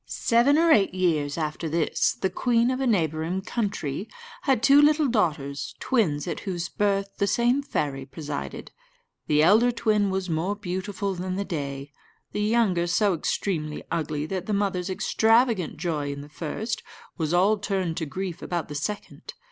Seven or eight years after this, the queen of a neighbouring country had two little daughters, twins, at whose birth the same fairy presided. The elder twin was more beautiful than the day the younger so extremely ugly that the mother's extravagant joy in the first was all turned to grief about the second.